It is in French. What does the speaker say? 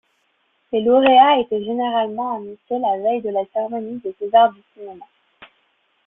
Les lauréats étaient généralement annoncés la veille de la cérémonie des César du cinéma.